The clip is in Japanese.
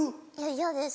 嫌です